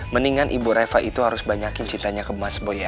mendingan ibu reva itu harus banyakin cintanya ke mas boya